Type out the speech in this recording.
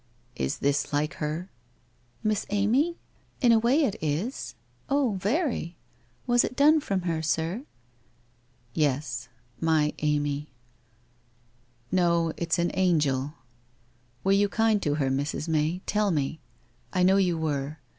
'Is this like her?' * Miss Amy? In a way it is. Oh, very. Was it done from her, sir ?' 1 Yes. My Amy. No, it's an angel. Were you kind to her, Mrs. May, tell me? I know you were.